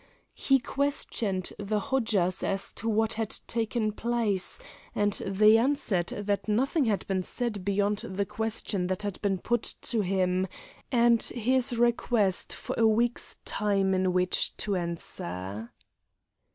He questioned the Hodjas as to what had taken place, and they answered that nothing had been said beyond the question that had been put to him and his request for a week's time in which to answer.